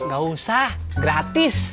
gak usah gratis